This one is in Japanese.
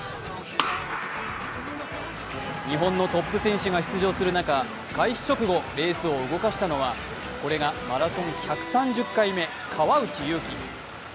日本のトップ選手が出場する中、開始直後レースを動かしたのは、これがマラソン１３０回目、川内優輝。